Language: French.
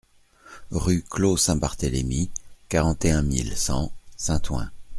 Rue Clos Saint-Barthélémy, quarante et un mille cent Saint-Ouen